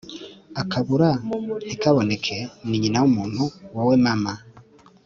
akabura ntikaboneke ninyina w'umuntu wowe mama